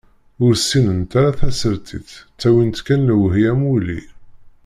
Ur ssinent ara tasertit, ttawin-t kan lewhi am wulli.